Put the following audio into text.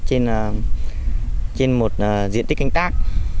trên một diện tích canh tác